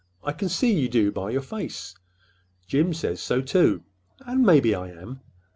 "I can see you do, by your face. Jim says so, too. And maybe I am.